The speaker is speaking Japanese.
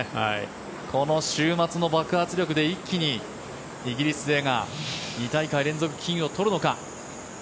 この週末の爆発力で一気にイギリス勢が２大会連続、金を取るのか。